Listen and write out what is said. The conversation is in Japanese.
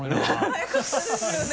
速かったですよね。